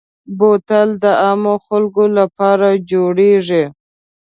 بوتل د عامو خلکو لپاره جوړېږي.